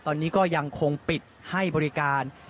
ตอนนี้ก็ยังคงปิดให้บริการ